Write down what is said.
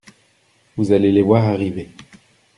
Vous allez les voir arriver …